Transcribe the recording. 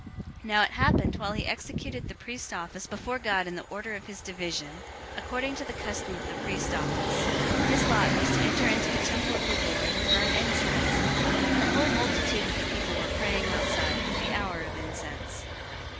001:008 Now it happened, while he executed the priest's office before God in the order of his division, 001:009 according to the custom of the priest's office, his lot was to enter into the temple of the Lord and burn incense. 001:010 The whole multitude of the people were praying outside at the hour of incense.